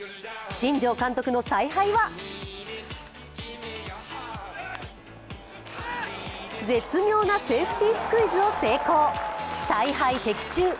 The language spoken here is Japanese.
新庄監督の采配は絶妙なセーフティースクイズを成功、采配的中。